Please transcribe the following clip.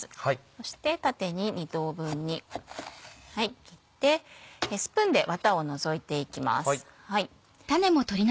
そして縦に２等分に切ってスプーンでワタを除いていきます。